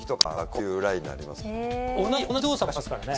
同じ動作ばっかしますからね。